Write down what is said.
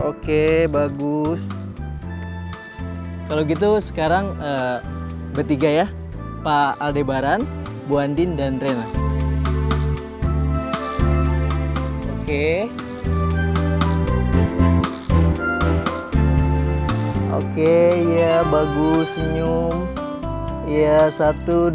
hai oke bagus kalau gitu sekarang bertiga ya pak aldebaran bu andin dan rena oke oke ya bagus senyum ya